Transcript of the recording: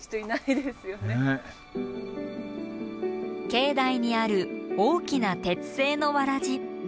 境内にある大きな鉄製のワラジ。